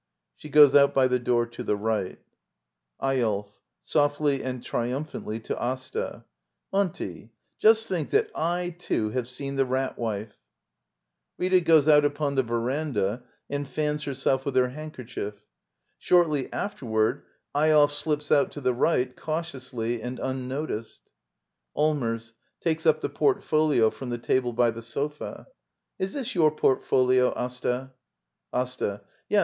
[She goes out, by the door to the right] Eyolf. [Softly and triumphantly, to Asta.] Auntie, just think that I, too, have seen the Rat Wife! Digitized by VjOOQIC LITTLE EYOLF <« Act i. > [Rita goes out upon the veranda and fans herself //^ with her handkerchief. Shortly afterward, Eyolf ^ slips out to the right, cautiously and unnoticed.] Allmers. [Takes up the portfolio from the table by the sofa.] Is this your portfolio, Asta? AsTA. Yes.